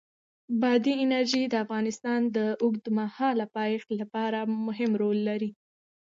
بادي انرژي د افغانستان د اوږدمهاله پایښت لپاره مهم رول لري.